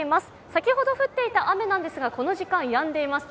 先ほど降っていた雨なんですがこの時間、やんでいます。